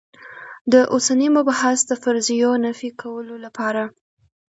د اوسني مبحث د فرضیو نفي کولو لپاره.